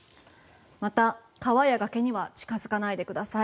また、川や崖には近付かないでください。